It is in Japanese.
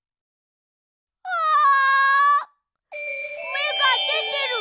めがでてる！